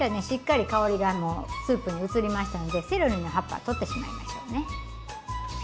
しっかり香りがスープに移りましたのでセロリの葉っぱ取ってしまいましょうね。